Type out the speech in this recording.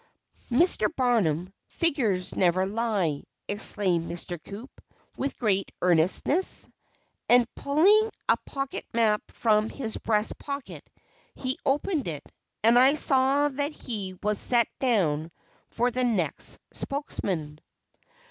"Mr. Barnum, figures never lie," exclaimed Mr. Coup, with great earnestness, and, pulling a pocket map from his breast pocket, he opened it, and I saw that he was set down for the next spokesman.